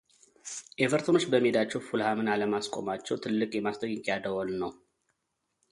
ኤቨርተኖች በሜዳቸው ፉልሃምን አለማስቆማቸው ትልቅ የማስጠንቀቂያ ደውል ነው።